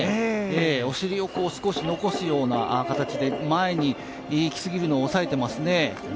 お尻を少し残すような形で、前に行きすぎるのを抑えてますね。